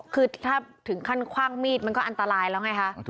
คือถ้าถึงขั้นคว่างมีดมันก็อันตรายแล้วไงคะ